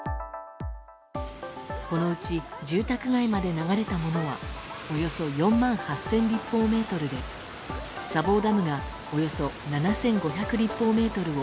このうち住宅街まで流れたものはおよそ４万８０００立方メートルで砂防ダムがおよそ７５００立方メートルを